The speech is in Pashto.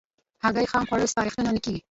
هګۍ خام خوړل سپارښتنه نه کېږي.